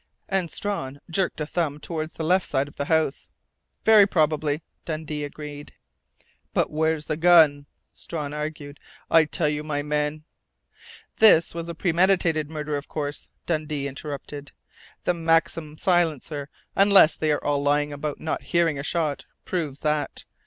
and Strawn jerked a thumb toward the left side of the house. "Very probably," Dundee agreed. "But where's the gun?" Strawn argued. "I tell you my men " "This was a premeditated murder, of course," Dundee interrupted. "The Maxim silencer unless they are all lying about not hearing a shot proves that.